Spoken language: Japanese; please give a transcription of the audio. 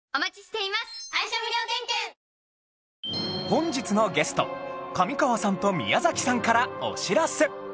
本日のゲスト上川さんと宮さんからお知らせ